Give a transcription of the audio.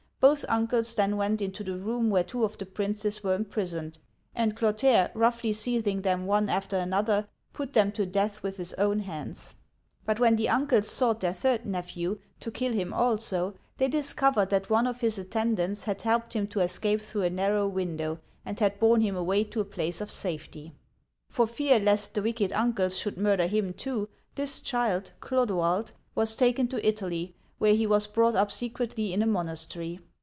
Both uncles then went into the room where two of the princes were imprisoned, and Clotaire, roughly seizing them one after another, put them to death with his own hands ! But when the uncles sought their third nephew, to kill him also, they discovered that one of his attendants had helped him to escape through a narrow window, and had borne him away to a place of safety. For fear lest the wicked uncles should murder him too, this child (Clodoald) was taken to Italy, where he was brought up secretly in a monastery.